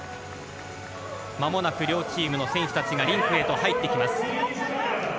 まもなく両チームの選手たちがリンクへと入ってきます。